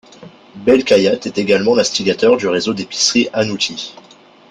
Belkhayat est également l'instigateur du réseau d’épiceries Hanouty.